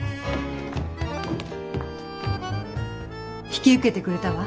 引き受けてくれたわ。